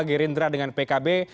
gerindra dengan pkb